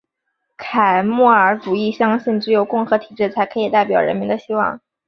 凯末尔主义相信只有共和体制才可以代表人民的希望。